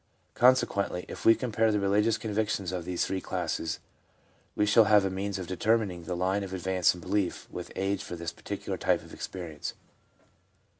Con sequently, if we compare the religious convictions of these three classes, we shall have a means of determining the line of advance in beliefs with age for this particular type of experience.